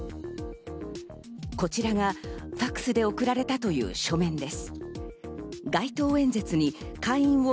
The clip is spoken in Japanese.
こちらがファクスで送られたという書面です。